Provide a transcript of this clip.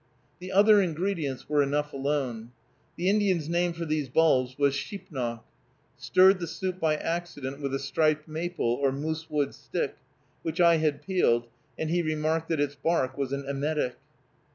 The other ingredients were enough alone. The Indian's name for these bulbs was Sheepnoc. I stirred the soup by accident with a striped maple or moose wood stick, which I had peeled, and he remarked that its bark was an emetic.